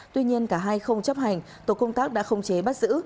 tuy nhiên cả hai không chấp hành tổ công tác đã không chế bắt giữ